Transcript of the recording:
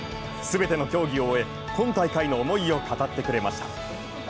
全ての競技を終え、今大会への思いを語ってくれました。